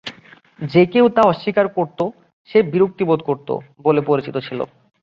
যে কেউ তা করতে অস্বীকার করত, সে "বিরক্তি বোধ করত" বলে পরিচিত ছিল।